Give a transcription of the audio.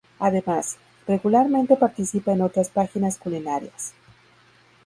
Además, regularmente participa en otras páginas culinarias.